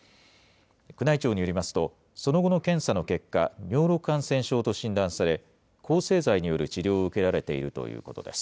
宮内庁によりますと、その後の検査の結果、尿路感染症と診断され、抗生剤による治療を受けられているということです。